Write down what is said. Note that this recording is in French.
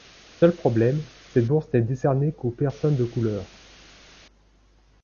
Seul problème, cette bourse n'est décernée qu'aux personnes de couleur.